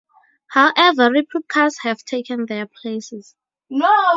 However, replicas have taken their places.